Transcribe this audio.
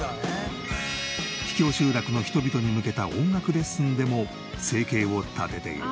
秘境集落の人々に向けた音楽レッスンでも生計を立てている。